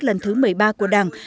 lần thứ một mươi ba của đảng